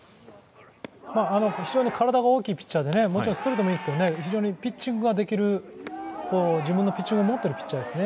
非常に体が大きいピッチャーでストレートもいいんですけどピッチングができる、自分のピッチングを持ってるピッチャーですね。